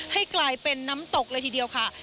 ให้กลายเป็นน้ำตกเลยทีเดียวค่ะ